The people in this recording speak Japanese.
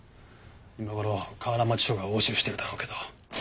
今頃河原町署が押収してるだろうけど。